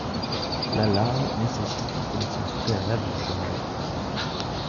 L'alarme nécessite une connaissance préalable du danger.